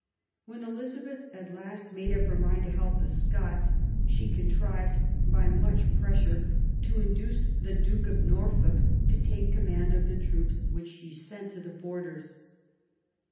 When Elizabeth at last made up her mind to help the Scots, she contrived, by much pressure, to induce the Duke of Norfolk to take command of the troops which she sent to the Borders.